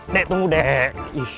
dek tunggu dek